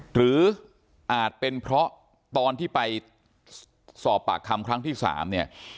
หรืออาจเป็นเพราะตอนที่ไปสอบปากคำครั้งที่๓เนี่ย